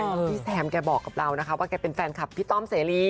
พี่แซมแกบอกกับเรานะคะว่าแกเป็นแฟนคลับพี่ต้อมเสรี